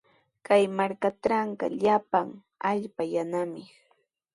Kay markatrawqa llapan allpa yanami.